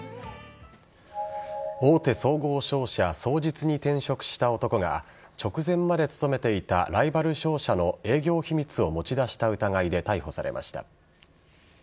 大手総合商社・双日に転職した男が直前まで勤めていたライバル商社の営業秘密を持ち出した疑いで逮捕されました。